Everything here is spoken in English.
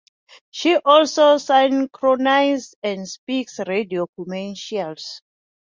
She also synchronizes and speaks radio commercials.